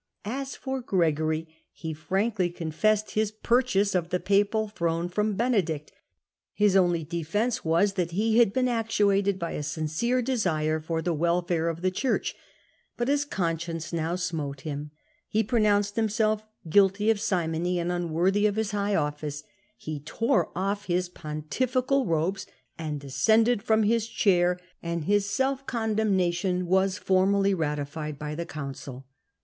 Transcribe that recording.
.^^As^for^GregOTyj^e^fpimkly confessed his pnrchasejof^the papal throne from Bene^ct^ hifiuxiply defence was that he had been actuated by a sincere desire for the welfare of the Church, but his conscience now smote him ; he pronounced himself guilty of simony and unworthy of his high office ; he tore off his ponti fical robes, and descended from his chair, and his self condemnation waa fS^rmally ratified by the council.